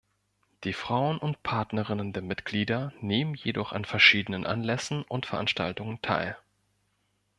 Die Frauen und Partnerinnen der Mitglieder nehmen jedoch an verschiedenen Anlässen und Veranstaltungen teil.